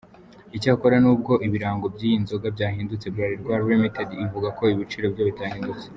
Icyakora nubwo ibirango by’iyi nzoga byahindutse, Bralirwa Ltd, ivuga ko ibiciro byo bitahindutse.